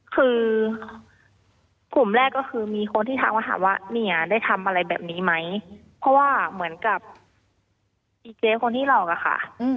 คือกลุ่มแรกก็คือมีคนที่ทักมาหาว่าเนี่ยได้ทำอะไรแบบนี้ไหมเพราะว่าเหมือนกับดีเจคนที่หลอกอะค่ะ